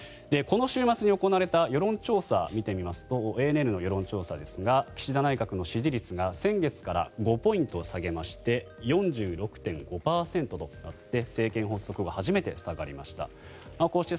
この週末に行われた世論調査を見てみますとＡＮＮの世論調査ですが岸田内閣の支持率が先月から５ポイント下げまして４６．５％となって